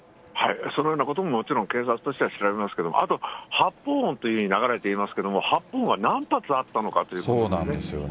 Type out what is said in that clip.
そのようなことももちろん警察としては調べますけど、あと、発砲音というふうに流れていますけれども、発砲音は何発あったのかということですよね。